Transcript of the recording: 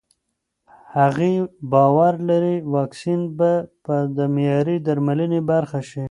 هغې باور لري واکسین به د معیاري درملنې برخه شي.